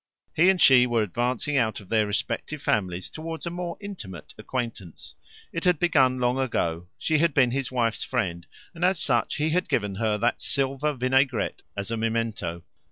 He and she were advancing out of their respective families towards a more intimate acquaintance. It had begun long ago. She had been his wife's friend, and, as such, he had given her that silver vinaigrette as a memento.